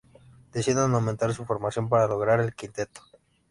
Deciden aumentar su formación para lograr el quinteto.